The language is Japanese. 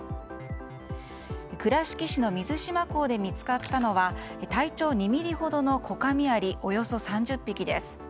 倉敷市の水島港で見つかったのは体長２ｍｍほどのコカミアリ、およそ３０匹です。